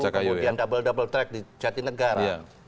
kemudian double double track di jatinegara